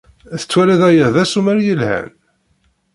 Tettwaliḍ aya d asumer yelhan?